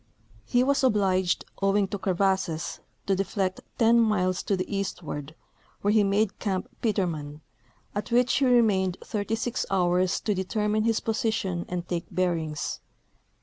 He was obliged, owing to crevasses, to deflect ten miles to the eastward, where he made camp Petermann, at which he remained 36 hours to determine his position and take bearings.